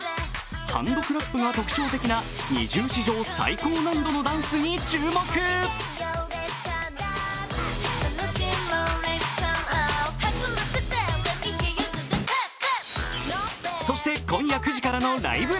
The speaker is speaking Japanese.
ハンドクラップが特徴的なＮｉｚｉＵ史上最高難度のダンスに注目そして今夜９時からの「ライブ！